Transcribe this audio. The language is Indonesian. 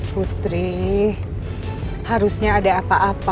putri harusnya ada apa apa